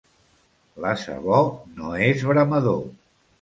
L'ase bo no és bramador.